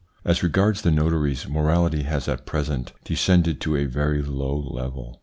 As regards the notaries morality has at present descended to a very low level.